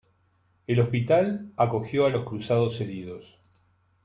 El hospital acogió a los cruzados heridos.